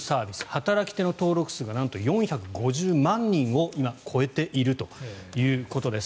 働き手の登録数がなんと４５０万人を今、超えているということです。